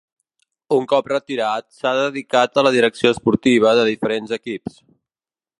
Un cop retirat, s'ha dedicat a la direcció esportiva de diferents equips.